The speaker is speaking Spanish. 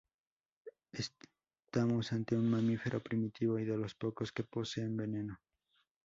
Estamos ante un mamífero primitivo, y de los pocos que poseen veneno.